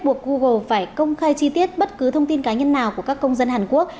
buộc google phải công khai chi tiết bất cứ thông tin cá nhân nào của các công dân hàn quốc